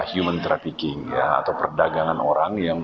human trafficking atau perdagangan orang yang